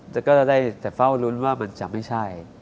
แต่ก็ได้แต่เฝ้าลุ้นว่ามันจะไม่ใช่